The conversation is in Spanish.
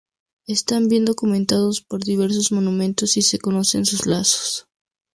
Están bien documentados por diversos monumentos y se conocen sus lazos.